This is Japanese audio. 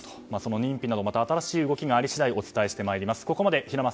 認否など新しい動きがあり次第お伝えしてまいります。